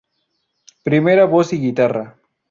Primera Voz y Guitarra.